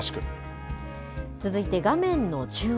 続いて、画面の中央。